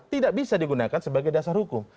tidak bisa digunakan sebagai dasar hukum